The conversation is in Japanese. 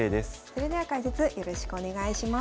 それでは解説よろしくお願いします。